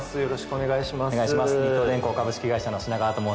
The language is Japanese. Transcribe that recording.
お願いします。